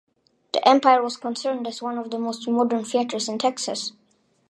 The Empire was considered as one of the most modern theatres in Texas.